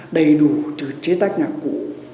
đầy đủ từ chế tách nhạc cũ